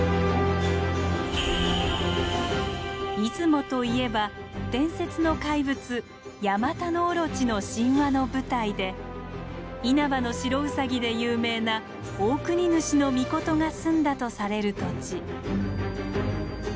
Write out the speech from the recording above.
出雲といえば伝説の怪物ヤマタノオロチの神話の舞台で「因幡の白兎」で有名なオオクニヌシノミコトが住んだとされる土地。